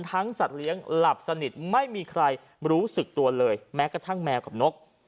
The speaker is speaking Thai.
สัตว์เลี้ยงหลับสนิทไม่มีใครรู้สึกตัวเลยแม้กระทั่งแมวกับนก